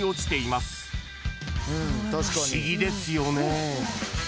［不思議ですよね？］